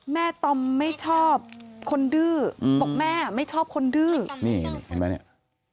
ตอมไม่ชอบคนดื้อบอกแม่ไม่ชอบคนดื้อนี่เห็นไหมเนี่ย